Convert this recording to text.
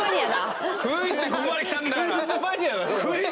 クイズでここまできたんだから！